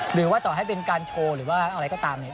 หรือว่าต่อให้เป็นการโชว์หรือว่าอะไรก็ตามเนี่ย